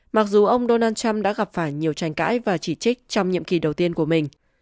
mặc dù ông donald trump đã gặp phải nhiều tranh cãi và chỉ trích trong nhiệm kỳ đầu tiên của mình